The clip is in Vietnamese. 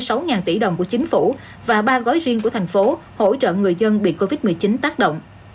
các gói hai mươi sáu tỷ đồng của chính phủ và ba gói riêng của thành phố hỗ trợ người dân bị covid một mươi chín tác động